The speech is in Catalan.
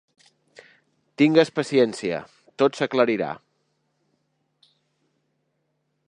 Tingues paciència; tot s'aclarirà.